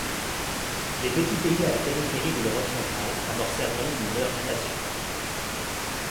Les petits pays à la périphérie de l'Europe centrale amorcèrent donc une réorientation.